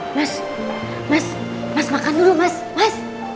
mas mas mas makan dulu mas mas